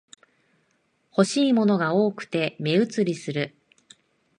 欲しいものが多くて目移りする